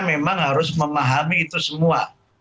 memang harus memahami itu semua